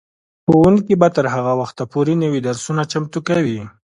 ښوونکي به تر هغه وخته پورې نوي درسونه چمتو کوي.